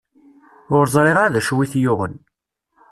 Ur ẓriɣ ara d acu i t-yuɣen.